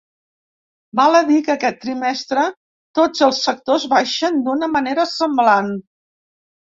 Val a dir que aquest trimestre tots els sectors baixen d’una manera semblant.